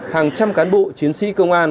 hàng trăm cán bộ chiến sĩ công an